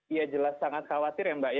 iya jelas sangat khawatir ya mbak